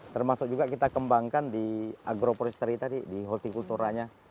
termasuk juga kita kembangkan di agro forestry tadi di horticulturanya